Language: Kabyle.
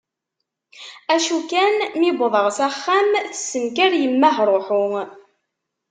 Acu kan mi i wḍeɣ s axxam tessenker yemma ahruḥu.